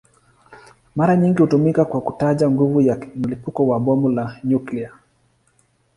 Mara nyingi hutumiwa kwa kutaja nguvu ya mlipuko wa bomu la nyuklia.